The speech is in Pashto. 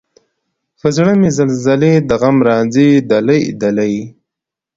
پۀ زړۀ مې زلزلې د غم راځي دلۍ، دلۍ